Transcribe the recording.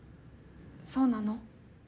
そうなの？